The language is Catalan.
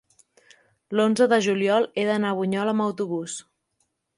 L'onze de juliol he d'anar a Bunyol amb autobús.